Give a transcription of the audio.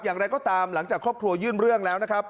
อย่างไรก็ตามหลังจากครอบครัวยื่นเรื่องแล้วนะครับ